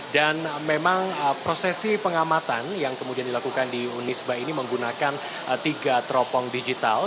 dan memang prosesi pengamatan yang kemudian dilakukan di unisba ini menggunakan tiga teropong digital